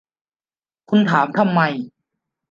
คุณถามทำไม